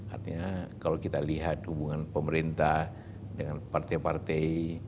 artinya kalau kita lihat hubungan pemerintah dengan partai partai